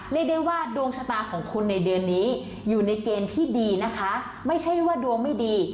เรียกได้ว่าดวงชะตาของคุณในเดือนนี้อยู่ในเกณฑ์ที่ดีนะคะไม่ใช่ว่าดวงไม่ดี